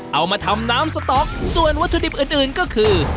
เอามาทำน้ำสต๊อกส่วนวัตถุดิบอื่นก็คือ